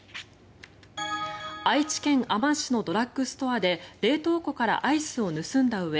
愛知県あま市のドラッグストアで冷凍庫からアイスを盗んだうえ